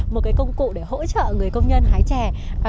một cái công cụ để hỗ trợ người công nhân hái trẻ